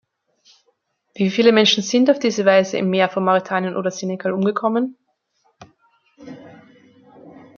Wie viele Menschen sind auf diese Weise im Meer vor Mauretanien oder Senegal umgekommen?